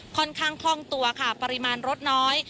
ค่อนข้างคล่องตัวค่ะปริมาณรถน้อย